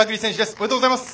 おめでとうございます！